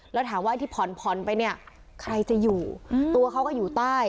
แล้วถามว่าไอ้ที่ผ่อนผ่อนไปเนี่ยใครจะอยู่ตัวเขาก็อยู่ใต้